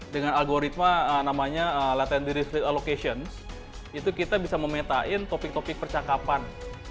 dengan algoritma namanya latent deleted allocations itu kita bisa memetakan topik topik percakapan